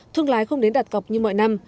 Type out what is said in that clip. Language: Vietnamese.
thương lái không đến đặt cọc như mọi năm